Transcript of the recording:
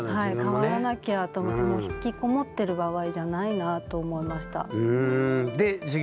変わらなきゃと思ってもう引きこもってる場合じゃないなと思いました。